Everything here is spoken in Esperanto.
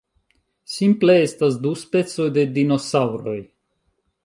Simple estas du specoj de dinosaŭroj.